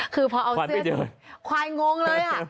คือพอเอาเสื้อควายงงเลย